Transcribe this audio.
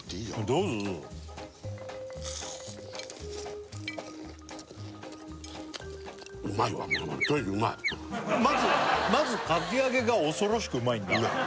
どうぞどうぞまずかき揚げが恐ろしくうまいんだうまい！